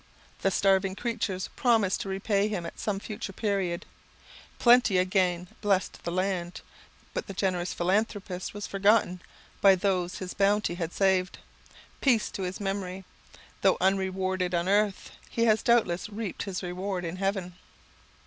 The starving creatures promised to repay him at some future period. Plenty again blessed the land; but the generous philanthropist was forgotten by those his bounty had saved. Peace to his memory! Though unrewarded on earth, he has doubtless reaped his reward in heaven.